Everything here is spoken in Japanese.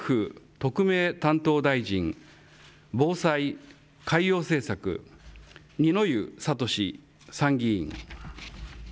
特命担当大臣、防災、海洋政策、二之湯智、参議院。